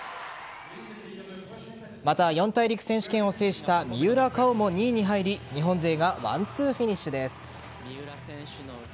また、四大陸選手権を制した三浦佳生も２位に入り日本勢がワンツーフィニッシュです。